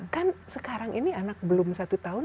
kan sekarang ini anak belum satu tahun